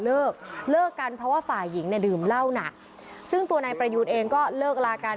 เลิกเลิกกันเพราะว่าฝ่ายหญิงเนี่ยดื่มเหล้าหนักซึ่งตัวนายประยูนเองก็เลิกลากัน